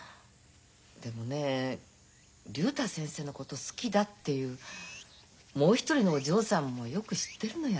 でもね竜太先生のことを好きだっていうもう一人のお嬢さんもよく知ってるのよ